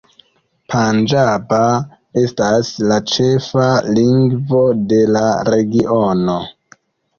Panĝaba estas la ĉefa lingvo de la regiono.